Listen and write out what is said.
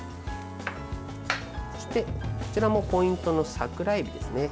そして、こちらもポイントの桜エビですね。